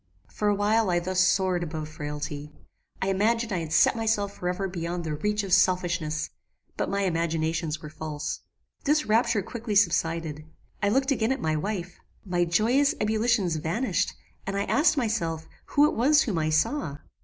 "For a while I thus soared above frailty. I imagined I had set myself forever beyond the reach of selfishness; but my imaginations were false. This rapture quickly subsided. I looked again at my wife. My joyous ebullitions vanished, and I asked myself who it was whom I saw?